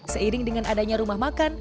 seiring dengan adanya rumah makan